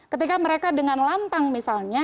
ketika mereka dengan lantang misalnya